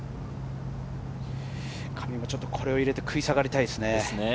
上井もちょっとこれを入れて食い下がりたいですね。